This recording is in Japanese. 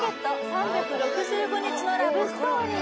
「３６５日のラブストーリー。」